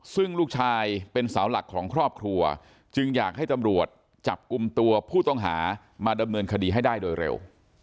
ซึ่งลูกชายเป็นเสาหลักของครอบครัวจึงอยากให้ตำรวจจับกลุ่มตัวผู้ต้องหามาดำเนินคดีให้ได้โดยเร็ว